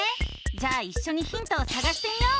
じゃあいっしょにヒントをさがしてみよう！